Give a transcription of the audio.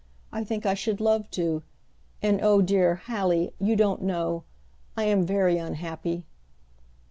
I think I should love to; and oh, dear, Hallie, you don't know! I am very unhappy!"